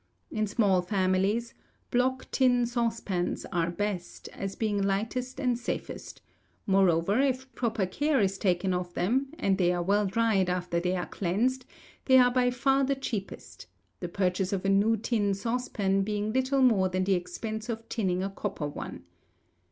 In small families block tin saucepans are best, as being lightest and safest: moreover, if proper care is taken of them, and they are well dried after they are cleansed, they are by far the cheapest; the purchase of a new tin saucepan being little more than the expense of tinning a copper one.